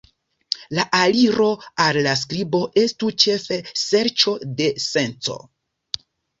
La aliro al la skribo estu ĉefe serĉo de senco.